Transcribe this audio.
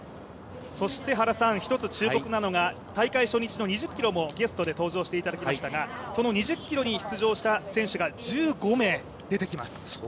そして、一つ注目なのが大会初日の２０ｋｍもゲストで登場していただきましたがその２０ｋｍに出場した選手が１５名出てきます。